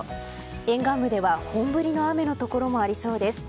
沿岸部では本降りの雨のところもありそうです。